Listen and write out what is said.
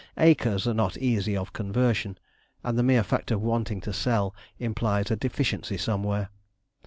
Acres are not easy of conversion, and the mere fact of wanting to sell implies a deficiency somewhere.